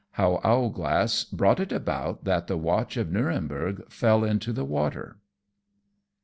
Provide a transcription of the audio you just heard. _How Owlglass brought it about that the Watch of Nurenberg fell into the Water.